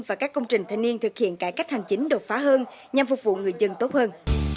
và các công trình thanh niên thực hiện cải cách hành chính đột phá hơn nhằm phục vụ người dân tốt hơn